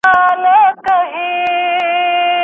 استاد باید په نااشنا موضوع کي لارښوونه ونکړي.